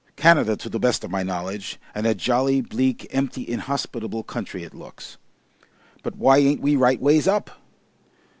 "Canada, to the best of my knowledge and a jolly bleak, empty, inhospitable country it looks." "But why ain't we right ways up?"